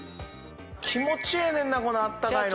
気持ちええねんなこのあったかいのが。